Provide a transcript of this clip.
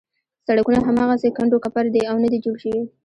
سړکونه هماغسې کنډو کپر دي او نه دي جوړ شوي.